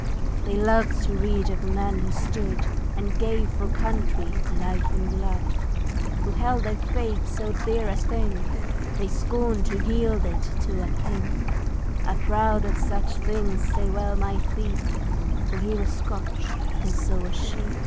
They loved to read of men who stood And gave for country, life and blood, Who held their faith so dear a thing They scorned to yield it to a king; Ah! proud of such they well might be For he was Scotch, and so was she.